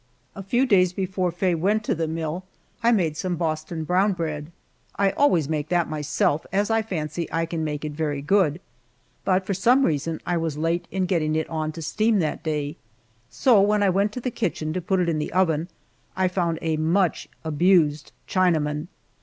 A few days before Faye went to the mill I made some Boston brown bread. I always make that myself, as I fancy I can make it very good, but for some reason I was late in getting it on to steam that day, so when I went to the kitchen to put it in the oven I found a much abused Chinaman.